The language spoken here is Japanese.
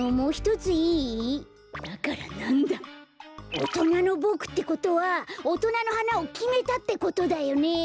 おとなのボクってことはおとなのはなをきめたってことだよね？